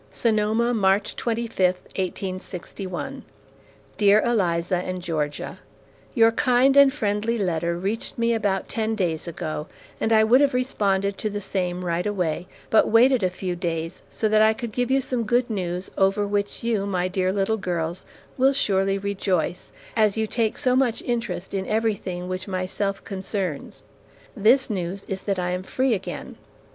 SONOMA, March 25, 1861 DEAR ELIZA AND GEORGIA: Your kind and friendly letter reached me about ten days ago, and I would have responded to the same right away, but waited a few days, so that I could give you some good news, over which you, my dear little girls, will surely rejoice, as you take so much interest in everything which myself concerns. This news is that I am free again.